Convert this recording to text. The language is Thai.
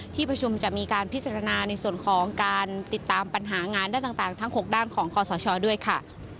ที่ประชุมจะมีการพิจารณาในส่วนของการติดตามปัญหางานด้านต่างทั้ง๖ด้านของคอสชด้วยค่ะ